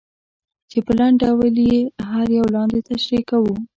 چې په لنډ ډول یې هر یو لاندې تشریح کوو.